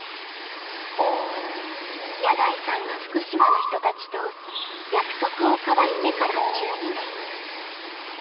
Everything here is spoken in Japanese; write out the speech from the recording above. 箭内さんが福島の人たちと約束を交わしてから１２年。